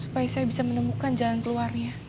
supaya saya bisa menemukan jalan keluarnya